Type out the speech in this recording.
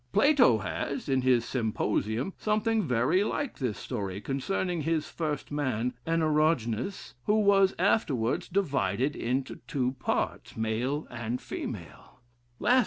Plato has, in his 'Symposium,' something very like this story, concerning his first man, Anoroginus, who was afterwards divided into two parts, male and female.